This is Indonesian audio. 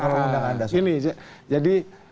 undang undang anda jadi